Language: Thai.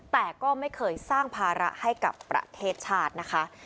แต่ก็ไม่เคยสร้างภาระให้กับประเทศชาตินะคะ